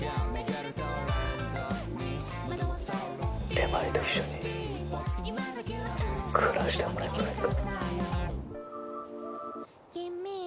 手前と一緒に暮らしてもらえませんか？